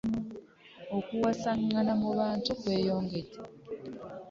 Okuwasangana mu bantu kweyongera.